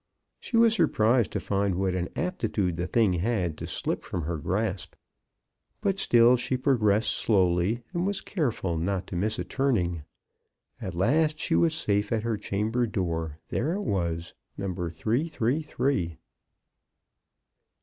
She was surprised to find what an aptitude the thing had to slip from her grasp. But still she progressed slowly, and was careful not to miss a turning. At last she was safe at her chamber door. There it was. No. 333. MRS. brown's failure.